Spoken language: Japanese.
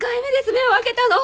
目を開けたの！